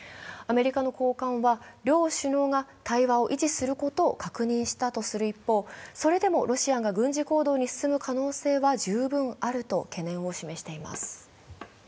アメリカの高官は、両首脳が対話を進めると確認する一方、それでもロシアが軍事行動に進む可能性は十分あると懸念を示しています。